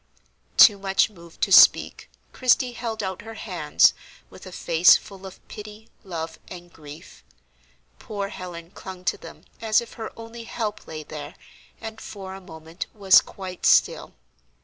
Too much moved to speak, Christie held out her hands, with a face full of pity, love, and grief. Poor Helen clung to them as if her only help lay there, and for a moment was quite still.